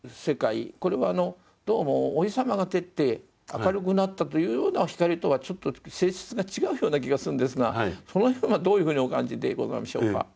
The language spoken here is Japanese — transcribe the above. これはどうもお日様が照って明るくなったというような光とはちょっと性質が違うような気がするんですがその辺はどういうふうにお感じでございましょうか？